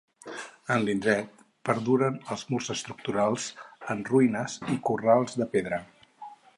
A l'indret perduren els murs estructurals en ruïnes i corrals de pedra.